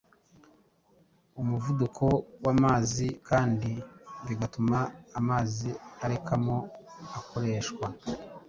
umuvuduko w’amazi kandi bigatuma amazi arekamo akoreshwa